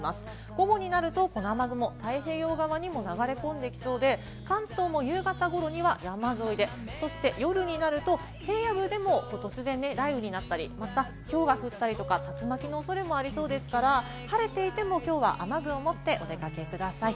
午後になると、この雨雲、太平洋側にも流れ込んできそうで、関東も夕方頃には山沿いで、夜になると平野部でも突然雷雨になったり、またひょうが降ったり、竜巻の恐れもありそうですから晴れていてもきょうは雨具を持ってお出かけください。